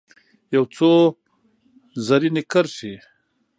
یو څو رزیني کرښې